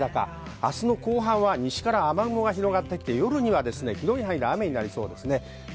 明日の後半は西から雨雲が広がって夜には広い範囲で雨になりそうです。